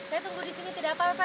saya tunggu disini tidak apa apa ya